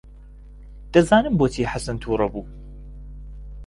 دەزانم بۆچی حەسەن تووڕە بوو.